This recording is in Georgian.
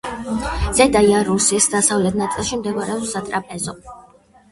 ზედა იარუსის დასავლეთ ნაწილში მდებარეობს სატრაპეზო.